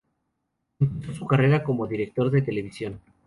Empezó su carrera como director de televisión.